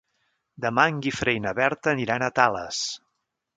Dimarts en Guifré i na Berta aniran a Tales.